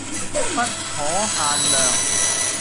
不可限量